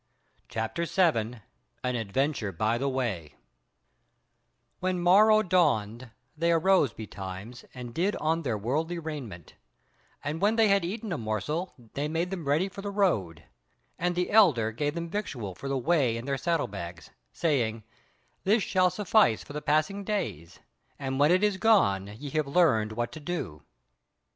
CHAPTER 7 An Adventure by the Way When morrow dawned they arose betimes and did on their worldly raiment; and when they had eaten a morsel they made them ready for the road, and the elder gave them victual for the way in their saddle bags, saying: "This shall suffice for the passing days, and when it is gone ye have learned what to do."